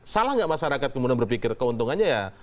salah nggak masyarakat kemudian berpikir keuntungannya ya